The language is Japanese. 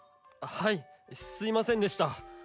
はいすいませんでした。